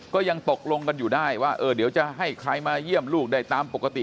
ก็ยังตกลงกันอยู่ได้ว่าเดี๋ยวจะให้ใครมาเยี่ยมลูกได้ตามปกติ